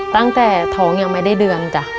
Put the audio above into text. ตั้งแต่ท้องยังไม่ได้เดือนจ้ะ